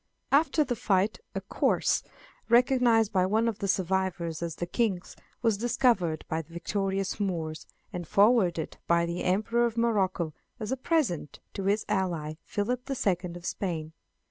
After the fight, a corse, recognized by one of the survivors as the King's, was discovered by the victorious Moors, and forwarded by the Emperor of Morocco as a present to his ally, Philip the Second of Spain.